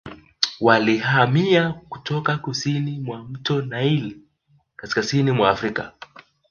Walihamia kutoka kusini mwa mto Naili kaskazini mwa Afrika